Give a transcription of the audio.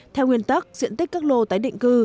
theo nguyên tắc diện tích các lô tái định cư